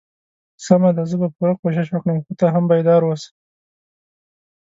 سمه ده زه به پوره کوشش وکړم خو ته هم بیدار اوسه.